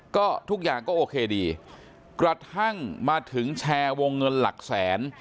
ก็ทุกอย่างก็โอเคดีกระทั่งมาถึงแชร์วงเงินหลักแสน